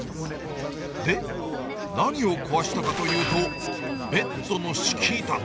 で、何を壊したかというと、ベッドの式板。